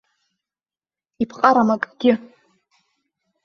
Иԥҟарам акгьы.